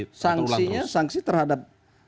terulang terus sanksinya sanksi terhadap